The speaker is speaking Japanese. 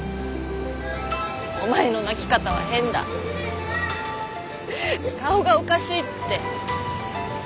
お前の泣き方は変だ顔がおかしいって。